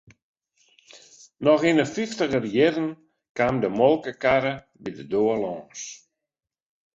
Noch yn 'e fyftiger jierren kaam de molkekarre by de doar lâns.